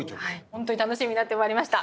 本当に楽しみになってまいりました。